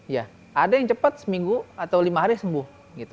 ya ada yang cepat seminggu atau lima hari sembuh